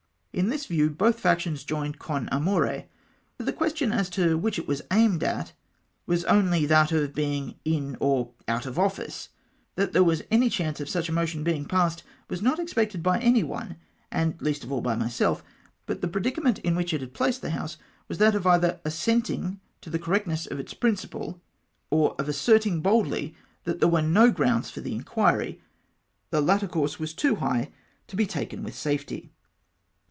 In this view both factions joined con amore, for the question as to which it was aimed at was only that of being in or out of office. That there was any chance of such a motion being passed was not expected by any one, and least of aU by myself ; but the predicament in which it had placed the House was that of either assent 224 MR. TERCEYAL'S TROPOSITION. ing to the correctness of its principle, or of asserting boldly that there were no gronnds for the inquiry. The latter course was too high to be taken with safety.